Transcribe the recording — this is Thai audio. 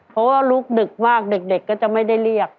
เพราะว่าลุกดึกมากเด็กก็จะไม่ได้เรียก